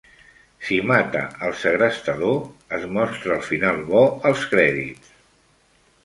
Si mata al segrestador, es mostra el final bo als crèdits.